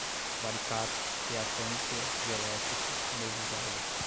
varicap, reatância, dielétrico, energizadas